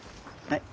はい。